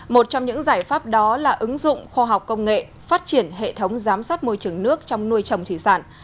một trong những giải pháp đó là ứng dụng khoa học công nghệ phát triển hệ thống giám sát môi trường nước trong nuôi trồng thủy sản